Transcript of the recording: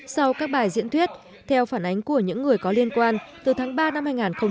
sau các bài diễn thuyết theo phản ánh của những người có liên quan từ tháng ba năm hai nghìn một mươi chín